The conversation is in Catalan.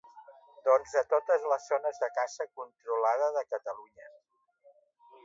Doncs a totes les zones de caça controlada de Catalunya.